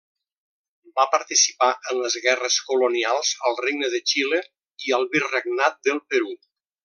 Va participar en les guerres colonials al Regne de Xile i al Virregnat del Perú.